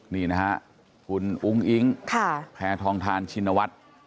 นี่นะฮะคุณอุ้งอิ๊งแพทองทานชินวัฒน์